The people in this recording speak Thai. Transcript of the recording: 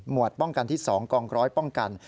วดป้องกันที่๒กองร้อยป้องกัน